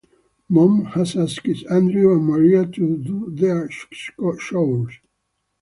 Mom has asked Andrew and Maria to do their chores.